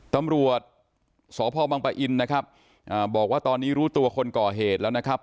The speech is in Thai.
ตำรวจสพบังปะอินนะครับบอกว่าตอนนี้รู้ตัวคนก่อเหตุแล้วนะครับ